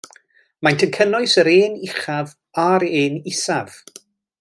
Maent yn cynnwys yr ên uchaf a'r ên isaf.